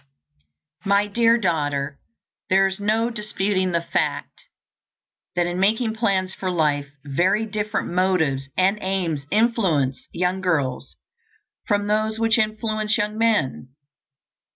My Dear Daughter: There is no disputing the fact that in making plans for life very different motives and aims influence young girls from those which influence young men.